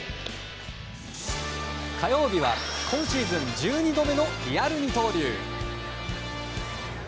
火曜日は、今シーズン１２度目のリアル二刀流。